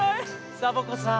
サボ子さん